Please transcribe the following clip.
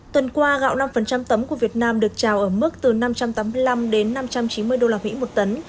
tuần qua gạo năm tấm của việt nam được trào ở mức từ năm trăm tám mươi năm năm trăm chín mươi đô la mỹ một tấn